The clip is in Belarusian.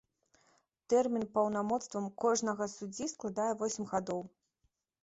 Тэрмін паўнамоцтваў кожнага суддзі складае восем гадоў.